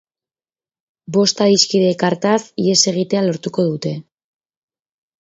Bost adiskideek hartaz ihes egitea lortuko dute.